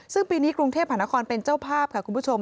ซึ่งปีนี้กรุงเทพหานครเป็นเจ้าภาพค่ะคุณผู้ชม